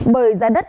bởi ra đất